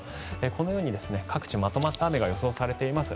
このように各地まとまった雨が予想されています。